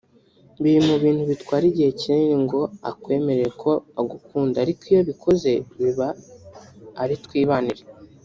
biri mu bintu bitwara igihe kinini ngo akwemerere ko agukunda ariko iyo abikoze biba ari twibanire